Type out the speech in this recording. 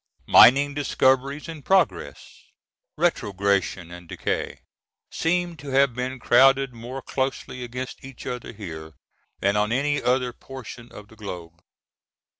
Mining discoveries and progress, retrogression and decay, seem to have been crowded more closely against each other here than on any other portion of the globe.